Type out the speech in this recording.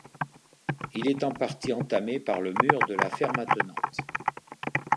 Il est en partie entamé par le mur de la ferme attenante.